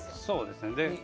そうですね